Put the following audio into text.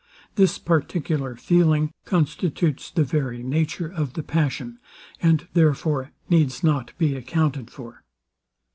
This particular feeling constitutes the very nature of the passion; and therefore needs not be accounted for.